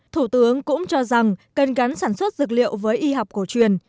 thủ tướng cũng cho rằng cần gắn sản xuất dược liệu với y học cổ truyền